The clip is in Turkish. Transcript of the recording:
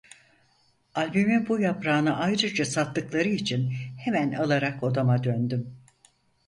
Albümün bu yaprağını ayrıca sattıkları için hemen alarak odama döndüm.